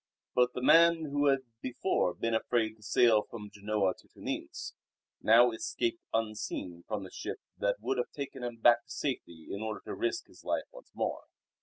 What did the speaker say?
But the man who had before been afraid to sail from Genoa to Tunis, now escaped unseen from the ship that would have taken him back to safety in order to risk his life once more.